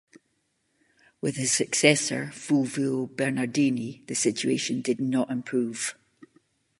With his successor, Fulvio Bernardini, the situation did not improve.